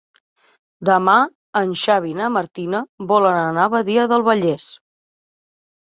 Demà en Xavi i na Martina volen anar a Badia del Vallès.